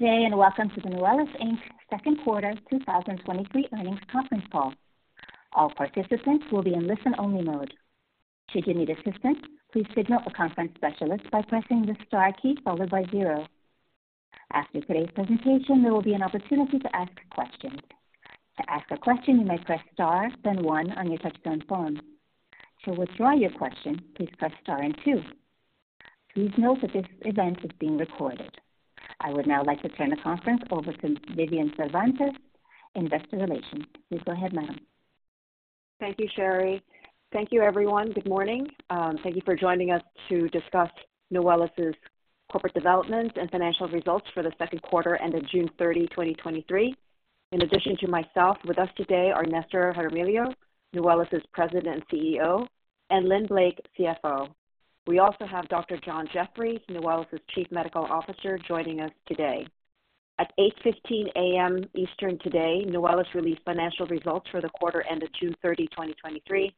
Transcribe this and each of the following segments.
Good day, welcome to the Nuwellis Inc.'s Q2 2023 earnings conference call. All participants will be in listen-only mode. Should you need assistance, please signal a conference specialist by pressing the Star key followed by zero. After today's presentation, there will be an opportunity to ask questions. To ask a question, you may press Star, then one on your touchtone phone. To withdraw your question, please press Star and two. Please note that this event is being recorded. I would now like to turn the conference over to Vivian Cervantes, investor relations. Please go ahead, ma'am. Thank you, Sherry. Thank you, everyone. Good morning. Thank you for joining us to discuss Nuwellis' corporate development and financial results for Q2 ended June 30, 2023. In addition to myself, with us today are Nestor Jaramillo, Nuwellis' President and CEO, and Lynn Blake, CFO. We also have Dr. John Jefferies, Nuwellis' Chief Medical Officer, joining us today. At 8:15 A.M. Eastern today, Nuwellis released financial results for the quarter ended June 30, 2023.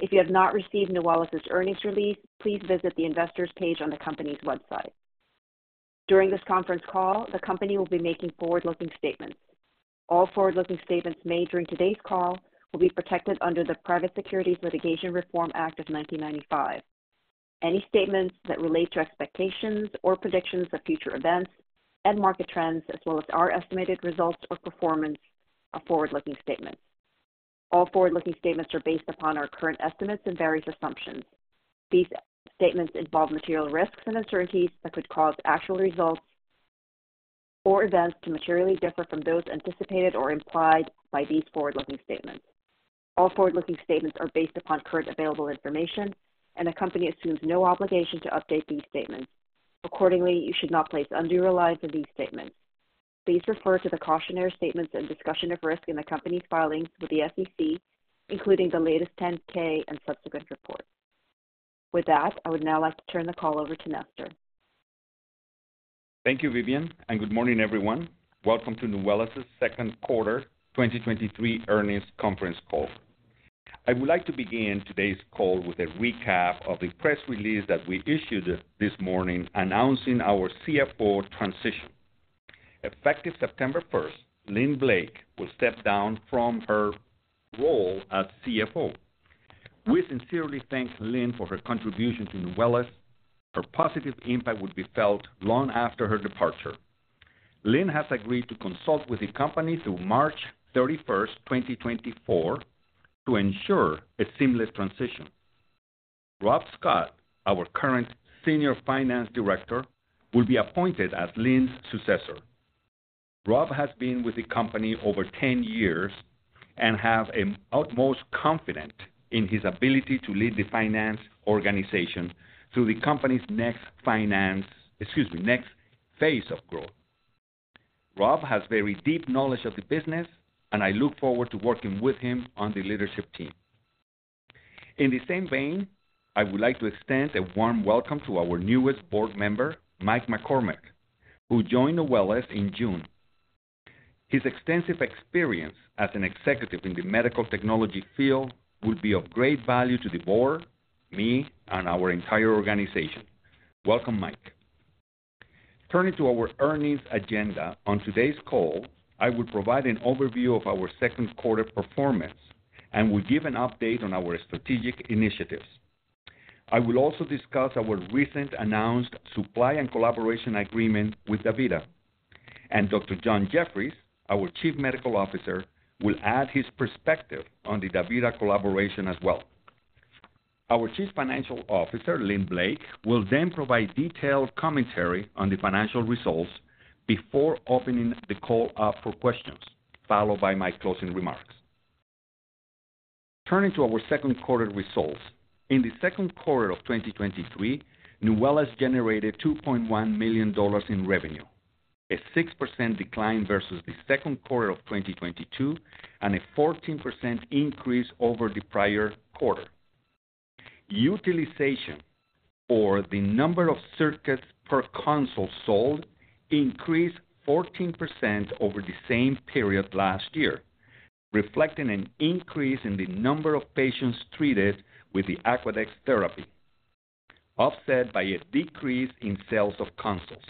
If you have not received Nuwellis' earnings release, please visit the investors page on the company's website. During this conference call, the company will be making forward-looking statements. All forward-looking statements made during today's call will be protected under the Private Securities Litigation Reform Act of 1995. Any statements that relate to expectations or predictions of future events and market trends, as well as our estimated results or performance, are forward-looking statements. All forward-looking statements are based upon our current estimates and various assumptions. These statements involve material risks and uncertainties that could cause actual results or events to materially differ from those anticipated or implied by these forward-looking statements. All forward-looking statements are based upon current available information, and the company assumes no obligation to update these statements. Accordingly, you should not place undue reliance on these statements. Please refer to the cautionary statements and discussion of risk in the company's filings with the SEC, including the latest 10-K and subsequent reports. With that, I would now like to turn the call over to Nestor. Thank you, Vivian, and good morning, everyone. Welcome to Nuwellis' Q2 2023 earnings conference call. I would like to begin today's call with a recap of the press release that we issued this, this morning announcing our CFO transition. Effective September 1st, Lynn Blake will step down from her role as CFO. We sincerely thank Lynn for her contribution to Nuwellis. Her positive impact would be felt long after her departure. Lynn has agreed to consult with the company through March 31st, 2024, to ensure a seamless transition. Rob Scott, our current Senior Finance Director, will be appointed as Lynn's successor. Rob has been with the company over 10 years and have a utmost confident in his ability to lead the finance organization through the company's next finance, excuse me, next phase of growth. Rob has very deep knowledge of the business. I look forward to working with him on the leadership team. In the same vein, I would like to extend a warm welcome to our newest board member, Mike McCormick, who joined Nuwellis in June. His extensive experience as an executive in the medical technology field will be of great value to the board, me, and our entire organization. Welcome, Mike. Turning to our earnings agenda, on today's call, I will provide an overview of our Q2 performance and will give an update on our strategic initiatives. I will also discuss our recent announced supply and collaboration agreement with DaVita. Dr. John Jefferies, our Chief Medical Officer, will add his perspective on the DaVita collaboration as well. Our Chief Financial Officer, Lynn Blake, will then provide detailed commentary on the financial results before opening the call up for questions, followed by my closing remarks. Turning to our Q2 results. In Q2 of 2023, Nuwellis generated $2.1 million in revenue, a 6% decline versus Q2 of 2022, and a 14% increase over the prior quarter. Utilization, or the number of circuits per console sold, increased 14% over the same period last year, reflecting an increase in the number of patients treated with the Aquadex therapy, offset by a decrease in sales of consoles.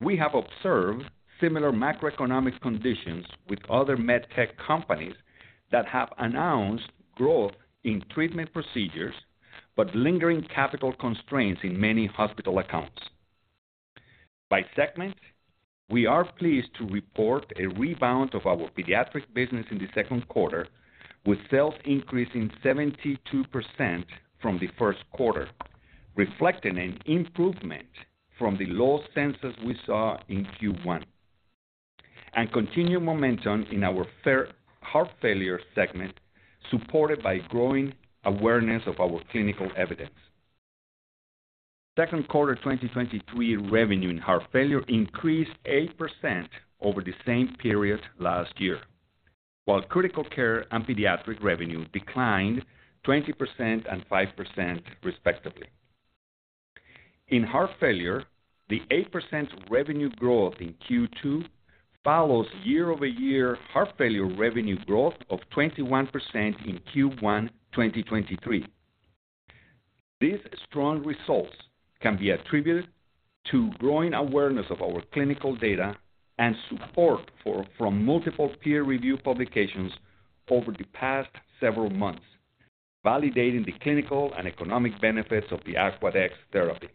We have observed similar macroeconomic conditions with other med tech companies that have announced growth in treatment procedures, but lingering capital constraints in many hospital accounts. By segment, we are pleased to report a rebound of our pediatric business in the 2nd quarter, with sales increasing 72% from the 1st quarter, reflecting an improvement from the low census we saw in Q1, continued momentum in our heart failure segment, supported by growing awareness of our clinical evidence. Q2 2023 revenue in heart failure increased 8% over the same period last year, while critical care and pediatric revenue declined 20% and 5%, respectively. In heart failure, the 8% revenue growth in Q2 follows year-over-year heart failure revenue growth of 21% in Q1 2023. These strong results can be attributed to growing awareness of our clinical data and support for, from multiple peer-reviewed publications over the past several months, validating the clinical and economic benefits of the Aquadex therapy.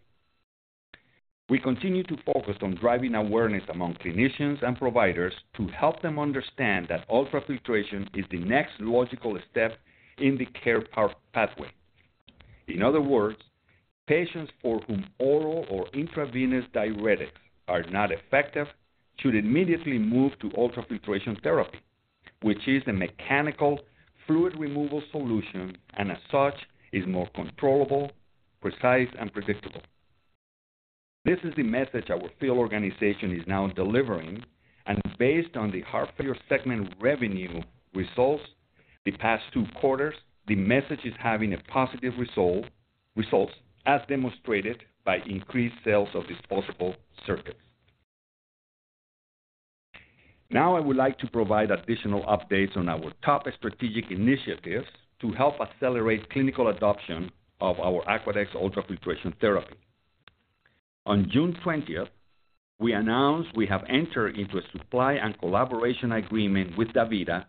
We continue to focus on driving awareness among clinicians and providers to help them understand that ultrafiltration is the next logical step in the care pathway. In other words, patients for whom oral or intravenous diuretics are not effective should immediately move to ultrafiltration therapy, which is a mechanical fluid removal solution, and as such, is more controllable, precise, and predictable. This is the message our field organization is now delivering, and based on the heart failure segment revenue results the past two quarters, the message is having a positive results, as demonstrated by increased sales of disposable circuits. Now, I would like to provide additional updates on our top strategic initiatives to help accelerate clinical adoption of our Aquadex ultrafiltration therapy. On June 20th, we announced we have entered into a supply and collaboration agreement with DaVita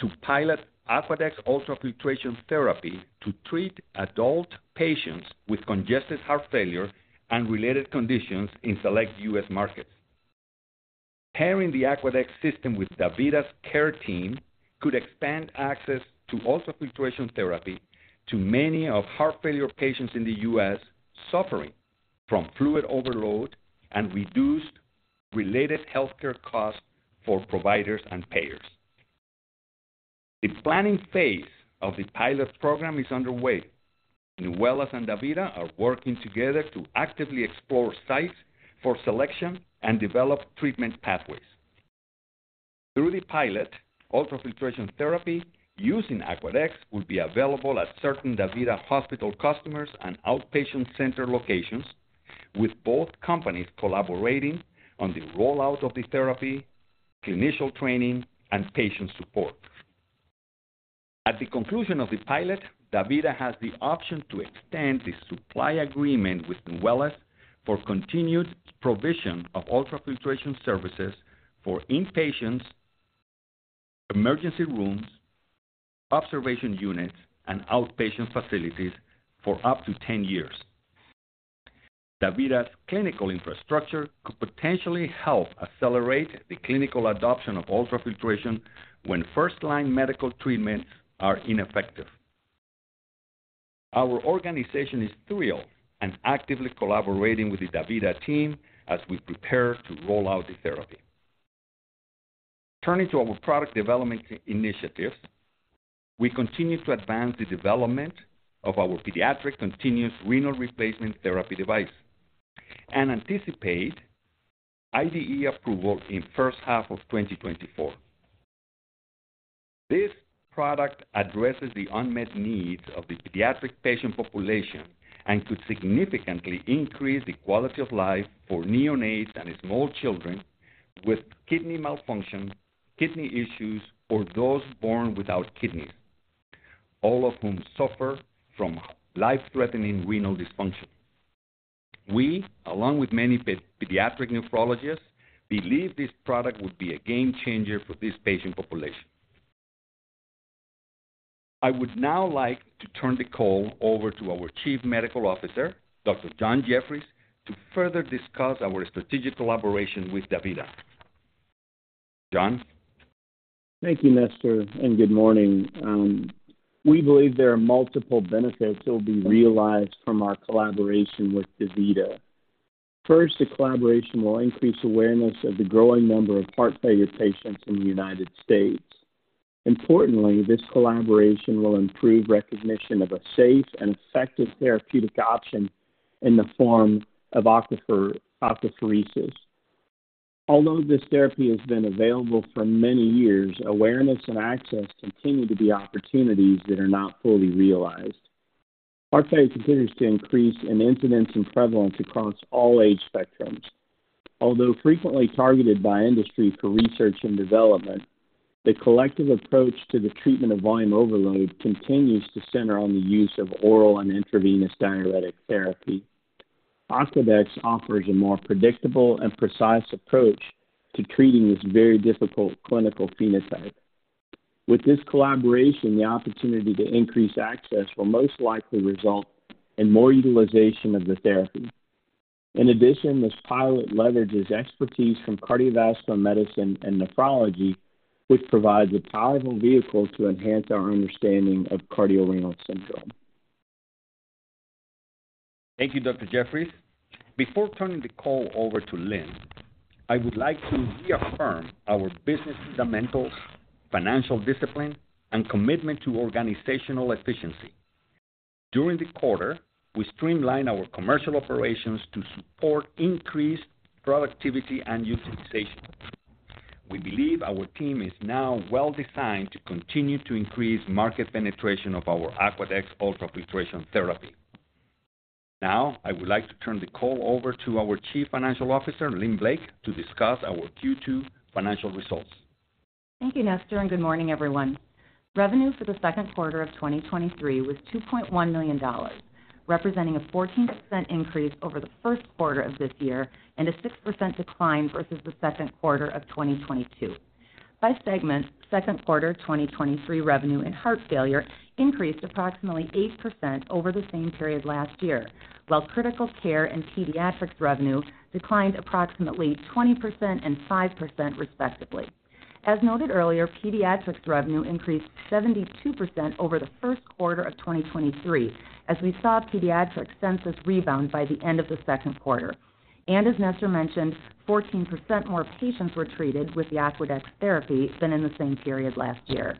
to pilot Aquadex ultrafiltration therapy to treat adult patients with congestive heart failure and related conditions in select U.S. markets. Pairing the Aquadex system with DaVita's care team could expand access to ultrafiltration therapy to many of heart failure patients in the U.S. suffering from fluid overload, and reduce related healthcare costs for providers and payers. The planning phase of the pilot program is underway. Nuwellis and DaVita are working together to actively explore sites for selection and develop treatment pathways. Through the pilot, ultrafiltration therapy using Aquadex will be available at certain DaVita hospital customers and outpatient center locations, with both companies collaborating on the rollout of the therapy, clinician training, and patient support. At the conclusion of the pilot, DaVita has the option to extend the supply agreement with Nuwellis for continued provision of ultrafiltration services for inpatients, emergency rooms, observation units, and outpatient facilities for up to 10 years. DaVita's clinical infrastructure could potentially help accelerate the clinical adoption of ultrafiltration when first-line medical treatments are ineffective. Our organization is thrilled and actively collaborating with the DaVita team as we prepare to roll out the therapy. Turning to our product development initiatives, we continue to advance the development of our pediatric continuous renal replacement therapy device and anticipate IDE approval in first half of 2024. This product addresses the unmet needs of the pediatric patient population and could significantly increase the quality of life for neonates and small children with kidney malfunction, kidney issues, or those born without kidneys, all of whom suffer from life-threatening renal dysfunction. We, along with many pediatric nephrologists, believe this product will be a game changer for this patient population. I would now like to turn the call over to our Chief Medical Officer, Dr. John Jefferies, to further discuss our strategic collaboration with DaVita. John? Thank you, Nestor, and good morning. We believe there are multiple benefits that will be realized from our collaboration with DaVita. First, the collaboration will increase awareness of the growing number of heart failure patients in the United States. Importantly, this collaboration will improve recognition of a safe and effective therapeutic option in the form of aquapheresis. Although this therapy has been available for many years, awareness and access continue to be opportunities that are not fully realized. Heart failure continues to increase in incidence and prevalence across all age spectrums. Although frequently targeted by industry for research and development, the collective approach to the treatment of volume overload continues to center on the use of oral and intravenous diuretic therapy. Aquadex offers a more predictable and precise approach to treating this very difficult clinical phenotype. With this collaboration, the opportunity to increase access will most likely result in more utilization of the therapy. In addition, this pilot leverages expertise from cardiovascular medicine and nephrology, which provides a powerful vehicle to enhance our understanding of cardiorenal syndrome. Thank you, Dr. Jefferies. Before turning the call over to Lynn, I would like to reaffirm our business fundamentals, financial discipline, and commitment to organizational efficiency. During the quarter, we streamlined our commercial operations to support increased productivity and utilization. We believe our team is now well-designed to continue to increase market penetration of our Aquadex ultrafiltration therapy. I would like to turn the call over to our Chief Financial Officer, Lynn Blake, to discuss our Q2 financial results. Thank you, Nestor, and good morning, everyone. Revenue for Q2 of 2023 was $2.1 million, representing a 14% increase over the first quarter of this year and a 6% decline versus Q2 of 2022. By segment, Q2 2023 revenue in heart failure increased approximately 8% over the same period last year, while critical care and pediatrics revenue declined approximately 20% and 5%, respectively. As noted earlier, pediatrics revenue increased 72% over the first quarter of 2023 as we saw pediatrics census rebound by the end of Q2. As Nestor mentioned, 14% more patients were treated with the Aquadex therapy than in the same period last year.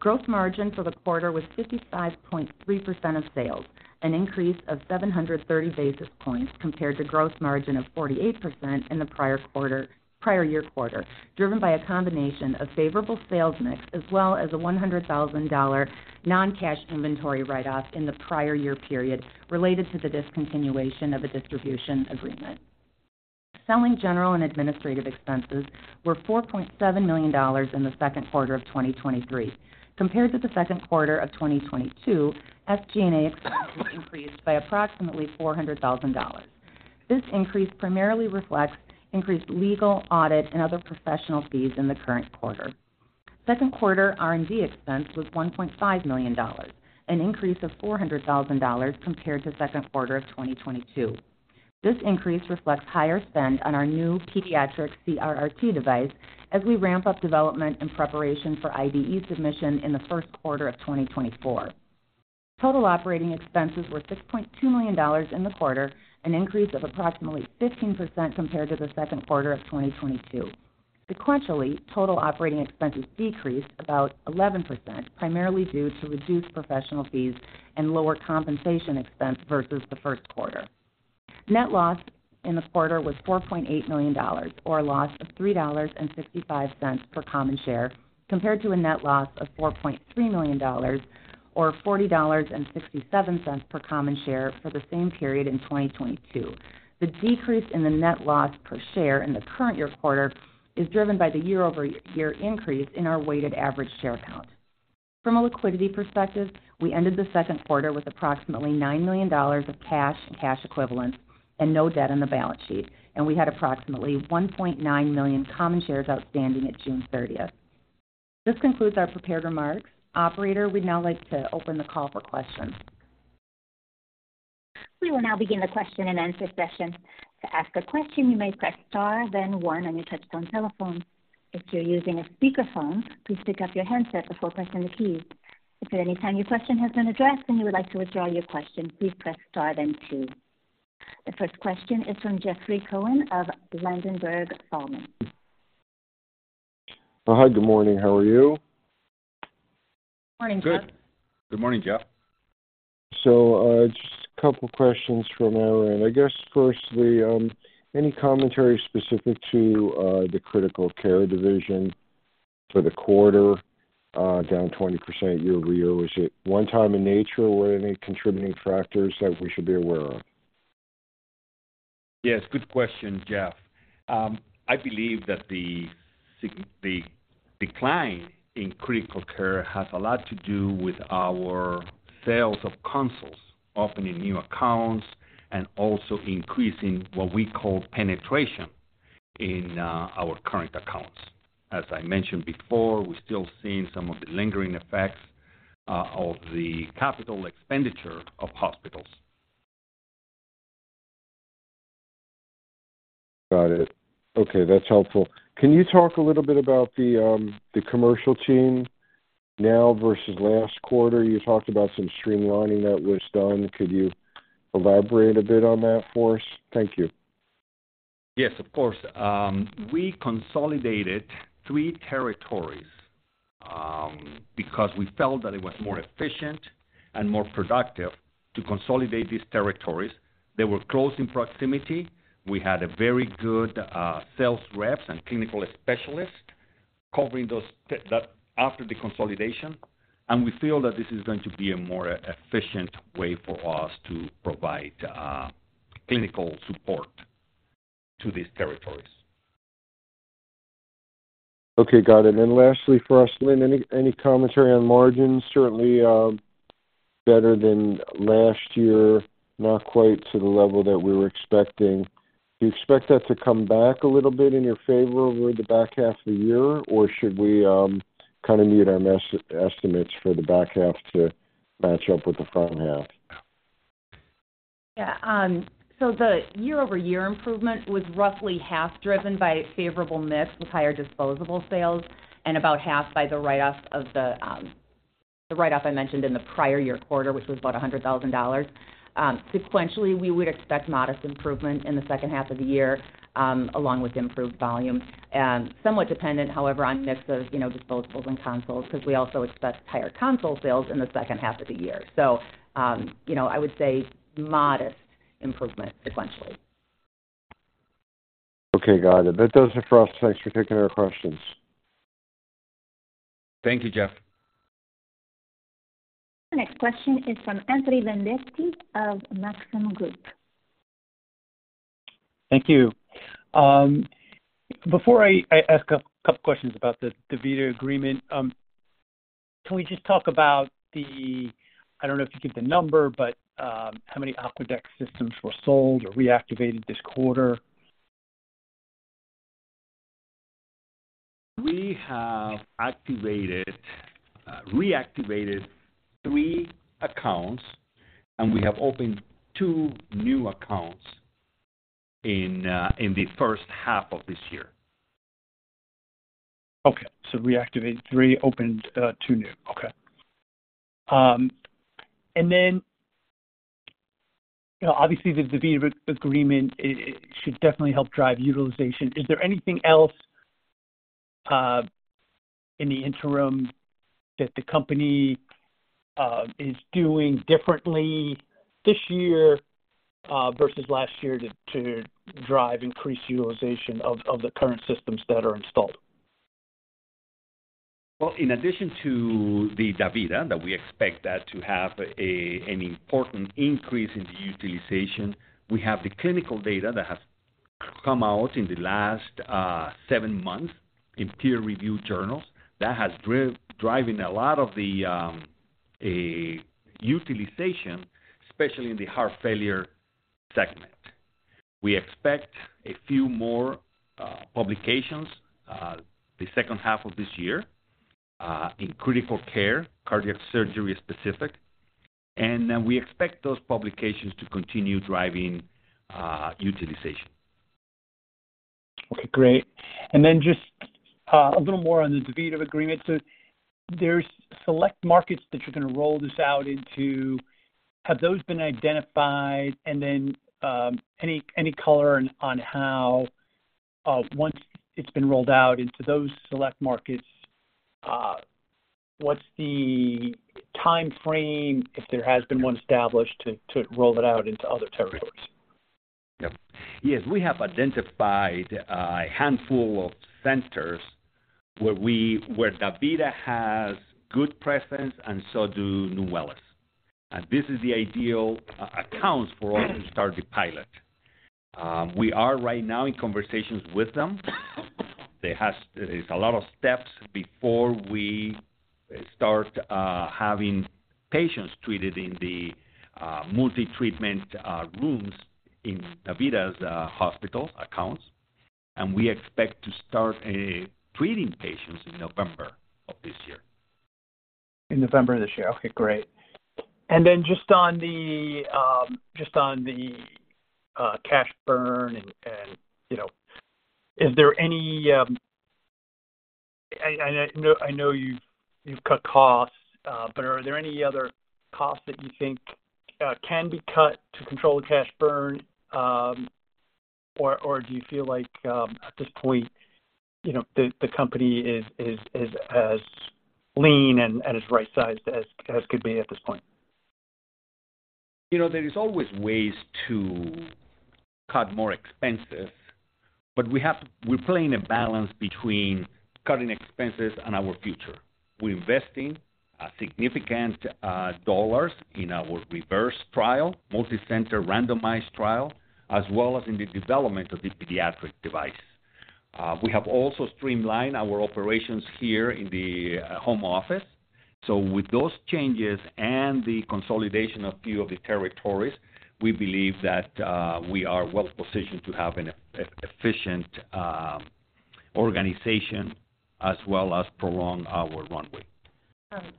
Gross margin for the quarter was 55.3% of sales, an increase of 730 basis points compared to gross margin of 48% in the prior year quarter, driven by a combination of favorable sales mix as well as a $100,000 non-cash inventory write-off in the prior year period related to the discontinuation of a distribution agreement. Selling, general and administrative expenses were $4.7 million in Q2 of 2023. Compared to Q2 of 2022, SG&A expenses increased by approximately $400,000. This increase primarily reflects increased legal, audit, and other professional fees in the current quarter. Q2 R&D expense was $1.5 million, an increase of $400,000 compared to Q2 of 2022. This increase reflects higher spend on our new pediatric CRRT device as we ramp up development in preparation for IDE submission in the first quarter of 2024. Total operating expenses were $6.2 million in the quarter, an increase of approximately 15% compared to Q2 of 2022. Sequentially, total operating expenses decreased about 11%, primarily due to reduced professional fees and lower compensation expense versus the first quarter. Net loss in the quarter was $4.8 million, or a loss of $3.55 per common share, compared to a net loss of $4.3 million, or $40.67 per common share for the same period in 2022. The decrease in the net loss per share in the current year quarter is driven by the year-over-year increase in our weighted average share count. From a liquidity perspective, we ended Q2 with approximately $9 million of cash and cash equivalents and no debt on the balance sheet. We had approximately 1.9 million common shares outstanding at June 30th. This concludes our prepared remarks. Operator, we'd now like to open the call for questions. We will now begin the question-and-answer session. To ask a question, you may press Star, then one on your touch-tone telephone. If you're using a speakerphone, please pick up your handset before pressing the key. If at any time your question has been addressed and you would like to withdraw your question, please press Star then two. The first question is from Jeffrey Cohen of Ladenburg Thalmann. Hi, good morning. How are you? Morning, Jeff. Good. Good morning, Jeff. Just a couple questions from our end. I guess, firstly, any commentary specific to the critical care division for the quarter, down 20% year-over-year? Was it one time in nature or were any contributing factors that we should be aware of? Yes, good question, Jeff. I believe that the decline in critical care has a lot to do with our sales of consoles, opening new accounts and also increasing what we call penetration in our current accounts. As I mentioned before, we're still seeing some of the lingering effects of the capital expenditure of hospitals. Got it. Okay, that's helpful. Can you talk a little bit about the commercial team now versus last quarter? You talked about some streamlining that was done. Could you elaborate a bit on that for us? Thank you. Yes, of course. We consolidated three territories, because we felt that it was more efficient and more productive to consolidate these territories. They were close in proximity. We had a very good, sales reps and clinical specialists covering those after the consolidation. We feel that this is going to be a more efficient way for us to provide, clinical support to these territories. Okay, got it. Then lastly for us, Lynn, any, any commentary on margins? Certainly, better than last year, not quite to the level that we were expecting. Do you expect that to come back a little bit in your favor over the back half of the year? Or should we, kind of mute our estimates for the back half to match up with the front half? Yeah, the year-over-year improvement was roughly half driven by favorable mix with higher disposable sales and about half by the write-off of the write-off I mentioned in the prior year quarter, which was about $100,000. Sequentially, we would expect modest improvement in the second half of the year, along with improved volume. Somewhat dependent, however, on mix of, you know, disposables and consoles, because we also expect higher console sales in the second-half of the year. You know, I would say modest improvement sequentially. Okay, got it. That does it for us. Thanks for taking our questions. Thank you, Jeff. The next question is from Anthony Vendetti of Maxim Group. Thank you. Before I ask a, a couple questions about the DaVita agreement, can we just talk about the, I don't know if you give the number, but, how many Aquadex systems were sold or reactivated this quarter? We have activated, reactivated 3 accounts, and we have opened 2 new accounts in, in the first half of this year. Okay. Reactivated 3, opened 2 new. Okay. You know, obviously, the DaVita agreement, it, it should definitely help drive utilization. Is there anything else in the interim that the company is doing differently this year versus last year to drive increased utilization of the current systems that are installed? Well, in addition to the DaVita, that we expect that to have an important increase in the utilization, we have the clinical data that has come out in the last seven months in peer review journals. That has driving a lot of the utilization, especially in the heart failure segment. We expect a few more publications the second half of this year in critical care, cardiac surgery specific, and we expect those publications to continue driving utilization. Okay, great. Just a little more on the DaVita agreement. There's select markets that you're going to roll this out into. Have those been identified? Then any color on on how once it's been rolled out into those select markets, what's the timeframe, if there has been one established, to roll it out into other territories? We have identified a handful of centers where DaVita has good presence and so do Nuwellis. This is the ideal accounts for us to start the pilot. We are right now in conversations with them. There's a lot of steps before we start having patients treated in the multi-treatment rooms in DaVita's hospital accounts, and we expect to start treating patients in November of this year. In November of this year. Okay, great. Just on the, just on the cash burn and, and, you know, is there any, I know, I know you've, you've cut costs, but are there any other costs that you think can be cut to control the cash burn, or do you feel like, at this point, you know, the, the company is as lean and, and as right-sized as, as could be at this point? There is always ways to cut more expenses, but we're playing a balance between cutting expenses and our future. We're investing significant dollars in our REVERSE-HF trial, multicenter randomized trial, as well as in the development of the pediatric device. We have also streamlined our operations here in the home office. With those changes and the consolidation of few of the territories, we believe that we are well positioned to have an efficient organization as well as prolong our runway.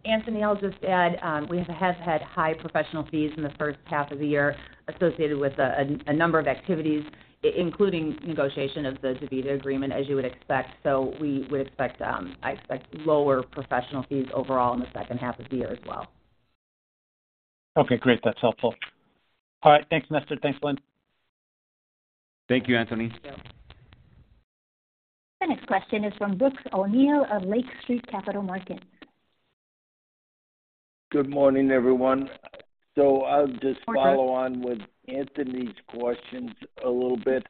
Anthony, I'll just add, we have had high professional fees in the first half of the year associated with a number of activities, including negotiation of the DaVita agreement, as you would expect. We would expect, I expect lower professional fees overall in the second half of the year as well. Okay, great. That's helpful. All right. Thanks, Néstor. Thanks, Lynn. Thank you, Anthony. Yep. The next question is from Brooks O'Neil of Lake Street Capital Markets. Good morning, everyone. I'll just follow on with Anthony's questions a little bit.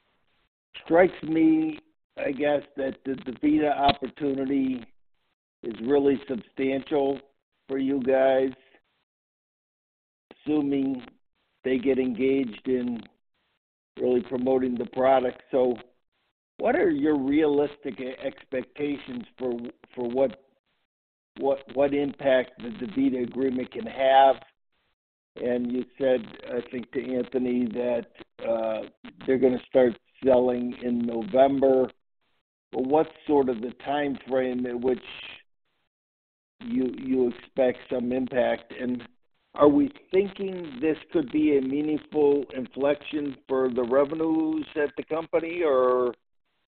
Strikes me, I guess, that the DaVita opportunity is really substantial for you guys, assuming they get engaged in really promoting the product. What are your realistic expectations for what impact the DaVita agreement can have? You said, I think, to Anthony, that, they're going to start selling in November. What's sort of the timeframe in which you expect some impact? Are we thinking this could be a meaningful inflection for the revenues at the company, or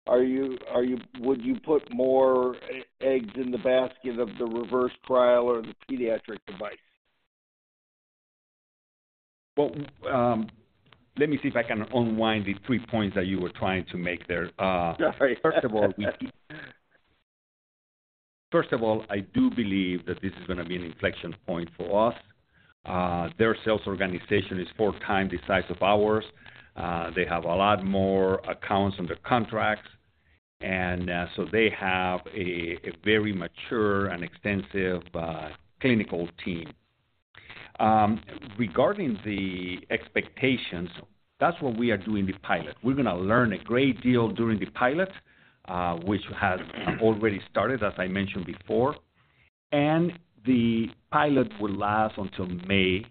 are you, would you put more eggs in the basket of the REVERSE-HF trial or the pediatric device? Well, let me see if I can unwind the three points that you were trying to make there. Sorry. First of all, first of all, I do believe that this is going to be an inflection point for us. Their sales organization is 4x the size of ours. They have a lot more accounts under contracts. They have a very mature and extensive clinical team. Regarding the expectations, that's what we are doing the pilot. We're going to learn a great deal during the pilot, which has already started, as I mentioned before. The pilot will last until May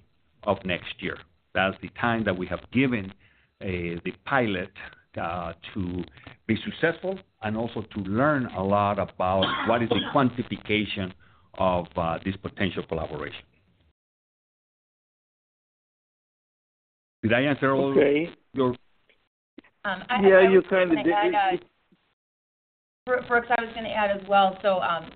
of next year. That's the time that we have given the pilot to be successful and also to learn a lot about what is the quantification of this potential collaboration. Did I answer all your- Okay. Um, I- Yeah, you kind of did. Brooks, I was gonna add as well.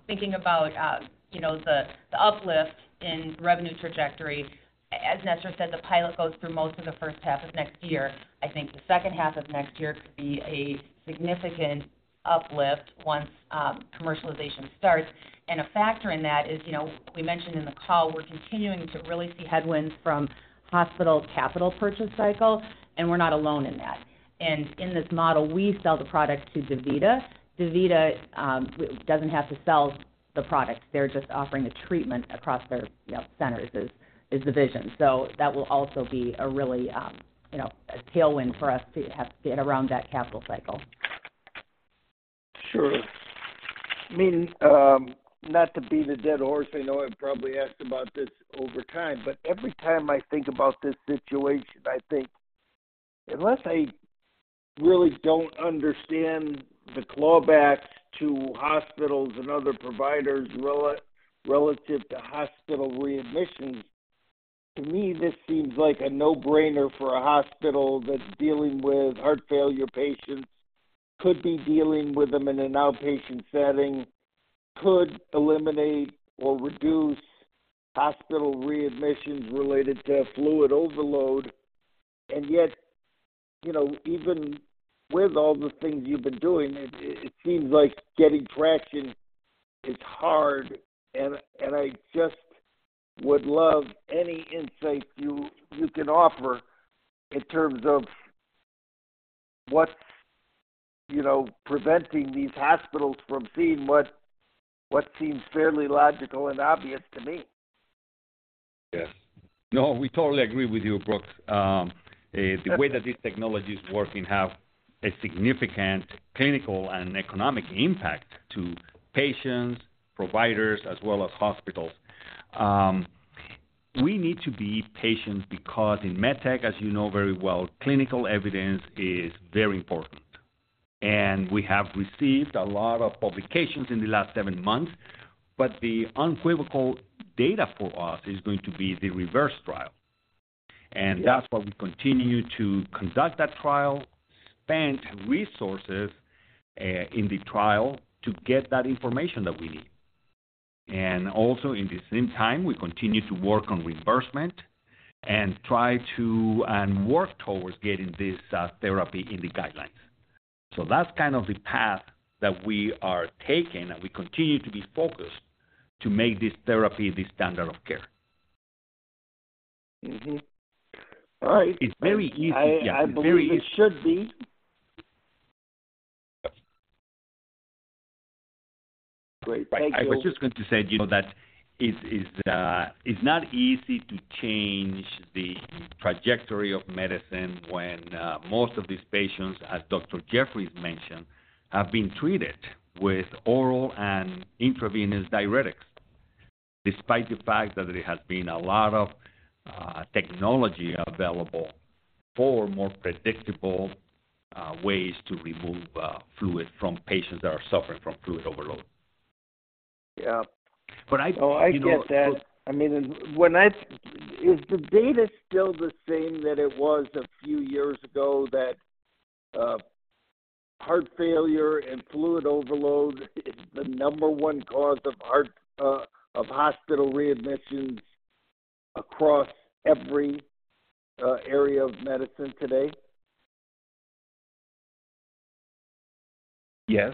Thinking about, you know, the, the uplift in revenue trajectory, as Nestor said, the pilot goes through most of the first half of next year. I think the second half of next year could be a significant uplift once commercialization starts. A factor in that is, you know, we mentioned in the call, we're continuing to really see headwinds from hospital capital purchase cycle, and we're not alone in that. In this model, we sell the product to DaVita. DaVita, w- doesn't have to sell the product. They're just offering the treatment across their, you know, centers is, is the vision. That will also be a really, you know, a tailwind for us to have to get around that capital cycle. Sure. I mean, not to beat a dead horse, I know I've probably asked about this over time, but every time I think about this situation, I think unless I really don't understand the clawback to hospitals and other providers relative to hospital readmissions, to me, this seems like a no-brainer for a hospital that's dealing with heart failure patients, could be dealing with them in an outpatient setting, could eliminate or reduce hospital readmissions related to fluid overload. Yet, you know, even with all the things you've been doing, it, it seems like getting traction is hard, and, and I just would love any insight you, you can offer in terms of what's, you know, preventing these hospitals from seeing what, what seems fairly logical and obvious to me. Yes. No, we totally agree with you, Brooks. The way that this technology is working have a significant clinical and economic impact to patients, providers, as well as hospitals. We need to be patient because in med tech, as you know very well, clinical evidence is very important. We have received a lot of publications in the last seven months, the unequivocal data for us is going to be the REVERSE-HF trial. That's why we continue to conduct that trial, spend resources, in the trial to get that information that we need. Also, in the same time, we continue to work on reimbursement and try to, and work towards getting this therapy in the guidelines. That's kind of the path that we are taking, and we continue to be focused to make this therapy the standard of care. All right. It's very easy- I believe it should be. Yes. Great. Thank you. I was just going to say, you know, that it's not easy to change the trajectory of medicine when most of these patients, as Dr. Jeffries mentioned, have been treated with oral and intravenous diuretics, despite the fact that there has been a lot of technology available for more predictable ways to remove fluid from patients that are suffering from fluid overload. Yeah. But I- Oh, I get that. You know. I mean, Is the data still the same that it was a few years ago, that heart failure and fluid overload is the number one cause of hospital readmissions across every area of medicine today? Yes.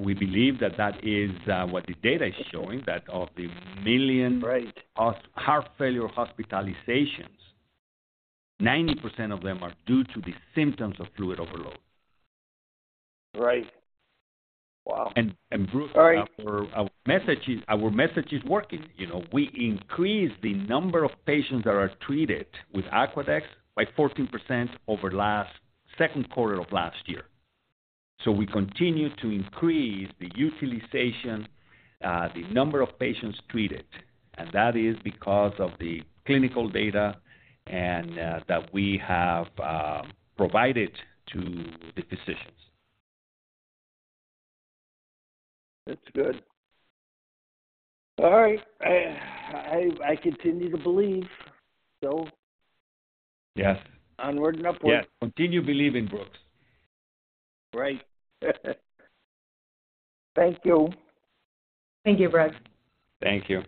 We believe that that is, what the data is showing, that of the million- Right heart failure hospitalizations, 90% of them are due to the symptoms of fluid overload. Right. Wow! Brooks- All right. Our message is working. We increased the number of patients that are treated with Aquadex by 14% over last, Q2 of last year. We continue to increase the utilization, the number of patients treated, and that is because of the clinical data and that we have provided to the physicians. That's good. All right. I continue to believe. Yes. Onward and upward. Yes. Continue believing, Brooks. Great. Thank you. Thank you, Brooks. Thank you.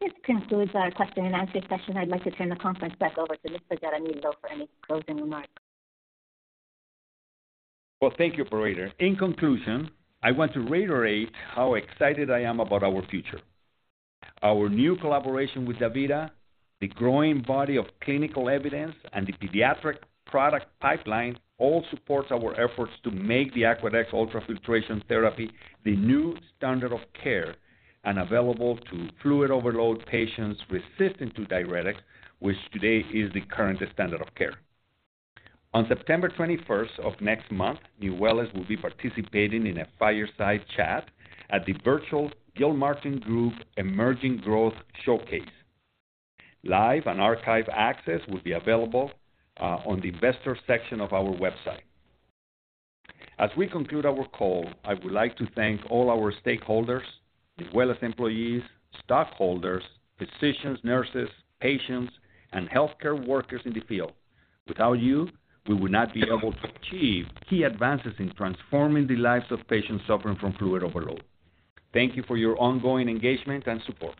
This concludes our question and answer session. I'd like to turn the conference back over to Mr. Jaramillo for any closing remarks. Well, thank you, operator. In conclusion, I want to reiterate how excited I am about our future. Our new collaboration with DaVita, the growing body of clinical evidence, and the pediatric product pipeline all supports our efforts to make the Aquadex ultrafiltration therapy the new standard of care and available to fluid overload patients resistant to diuretic, which today is the current standard of care. On September 21st of next month, Nuwellis will be participating in a fireside chat at the virtual Gilmartin Group Emerging Growth Showcase. Live and archive access will be available on the investor section of our website. As we conclude our call, I would like to thank all our stakeholders, as well as employees, stockholders, physicians, nurses, patients, and healthcare workers in the field. Without you, we would not be able to achieve key advances in transforming the lives of patients suffering from fluid overload. Thank you for your ongoing engagement and support.